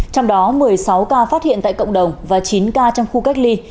trong đó một mươi sáu ca phát hiện tại cộng đồng và chín ca trong khu cách ly